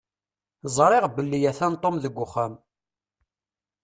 Ẓriɣ belli atan Tom deg wexxam.